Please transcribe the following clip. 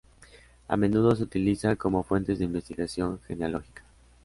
A menudo se utilizan como fuentes de investigación genealógica.